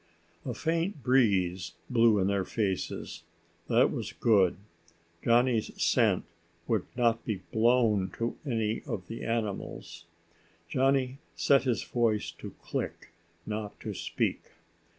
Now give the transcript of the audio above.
A faint breeze blew in their faces. That was good. Johnny's scent would not be blown to any of the animals. Johnny set his voice to click, not to speak.